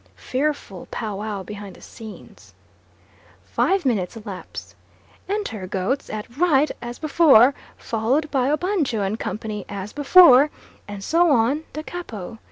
Fearful pow wow behind the scenes. Five minutes elapse. Enter goats at right as before, followed by Obanjo and company as before, and so on da capo.